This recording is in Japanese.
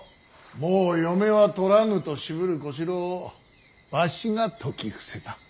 もう嫁は取らぬと渋る小四郎をわしが説き伏せた。